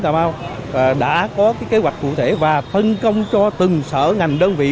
cà mau đã có kế hoạch cụ thể và phân công cho từng sở ngành đơn vị